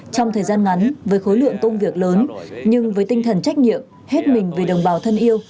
trong thời gian ngắn với khối lượng công việc lớn nhưng với tinh thần trách nhiệm hết mình vì đồng bào thân yêu